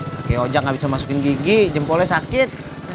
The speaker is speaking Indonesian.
pake hojak gak bisa masukin gigi jempolnya sakit